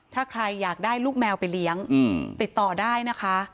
ถ้าใครอยากได้ลูกแมวไปเลี้ยงติดต่อได้นะคะ